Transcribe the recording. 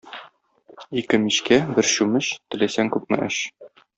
Ике мичкә, бер чүмеч, теләсәң күпме эч.